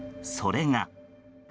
それが。